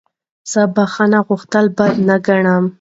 زه بخښنه غوښتل بد نه ګڼم.